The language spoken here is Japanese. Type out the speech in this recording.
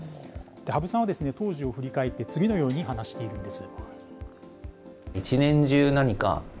羽生さんは当時を振り返って次のように話しているんです。